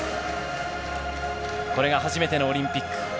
これが初めてのオリンピック。